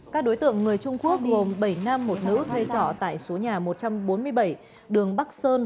các đối tượng người trung quốc gồm bảy nam một nữ thuê trọ tại số nhà một trăm bốn mươi bảy đường bắc sơn